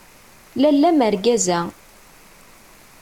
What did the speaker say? Lalla mergaza!